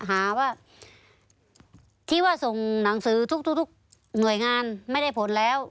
หาว่าที่ว่าส่งหนังสือทุกทุกหน่วยงานไม่ได้ผลแล้ว